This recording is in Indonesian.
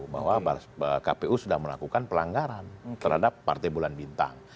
bahwa kpu sudah melakukan pelanggaran terhadap partai bulan bintang